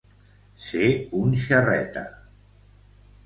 Ser un xerreta.